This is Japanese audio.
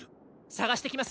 さがしてきます！